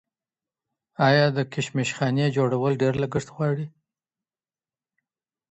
آیا د کشمش خانې جوړول ډېر لګښت غواړي؟.